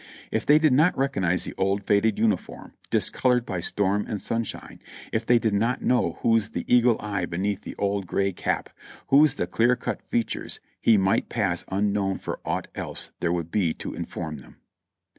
If they did not recognize the old faded uniform discolored by storm and sunshine, if they did not know whose the eagle eye beneath the old gray cap, whose the clear cut features, he might pass unknown for aught else there would be to inform them.